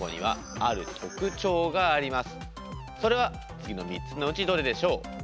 次の３つのうちどれでしょう。